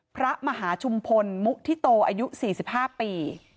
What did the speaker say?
พระมหาชุมพลมุฒิโตอายุ๔๕ปี